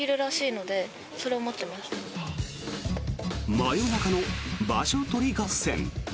真夜中の場所取り合戦。